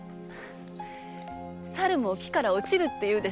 猿も木から落ちるって言うでしょ。